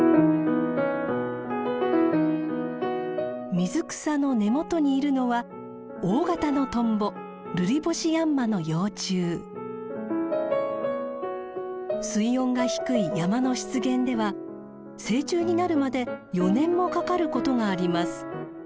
水草の根元にいるのは大型のトンボ水温が低い山の湿原では成虫になるまで４年もかかることがあります。